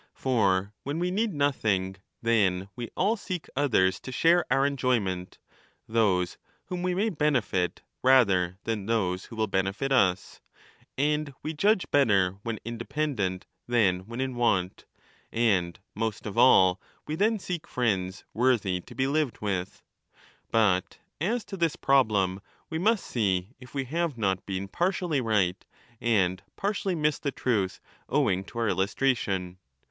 For when we need nothing, then we all seek others to share our enjoyment, those whom we may benefit rather than those who will benefit us. And we judge better when 20 independent than when in want, and most of all we then seek friends worthy to be lived with. But as to this problem, "we must see if we have not been partially right, and partially missed the truth owing to our illustration.